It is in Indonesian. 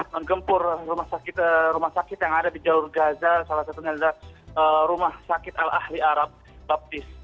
menggempur rumah sakit yang ada di jalur gaza salah satunya adalah rumah sakit al ahli arab baptis